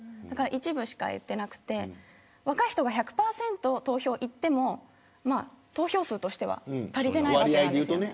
だから一部しか行ってなくて若い人が１００％投票に行っても投票数としては足りてないわけなんです。